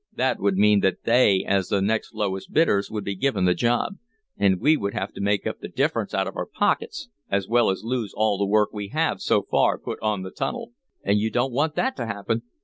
That would mean that they, as the next lowest bidders, would be given the job. And we would have to make up the difference out of our pockets, as well as lose all the work we have, so far, put on the tunnel." "And you don't want that to happen!"